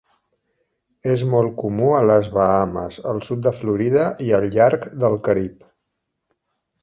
És molt comú a les Bahames, el sud de Florida i al llarg del Carib.